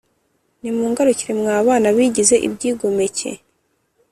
Nimungarukire mwa bana bigize ibyigomeke